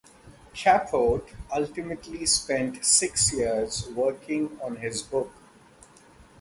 Capote ultimately spent six years working on his book.